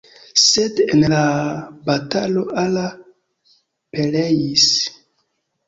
Sed en la batalo Ara pereis.